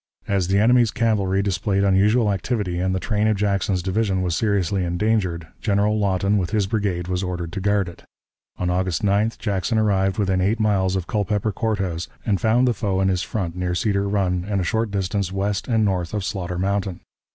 As the enemy's cavalry displayed unusual activity and the train of Jackson's division was seriously endangered, General Lawton with his brigade was ordered to guard it. On August 9th Jackson arrived within eight miles of Culpeper Court House and found the foe in his front near Cedar Run and a short distance west and north of Slaughter Mountain.